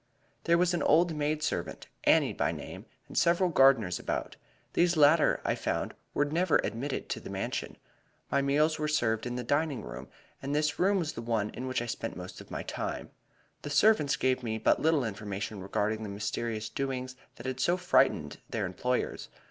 "There was an old maid servant, Annie by name, and several gardeners about. These latter, I found, were never admitted to the Mansion. My meals were served in the dining room, and this room was the one in which I spent most of my time. The servants gave me but little information regarding the mysterious doings that had so frightened their employers.